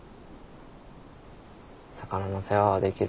魚の世話はできる。